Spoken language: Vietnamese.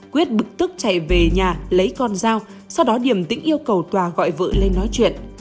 quyết bực tức chạy về nhà lấy con dao sau đó điểm tĩnh yêu cầu tòa gọi lên nói chuyện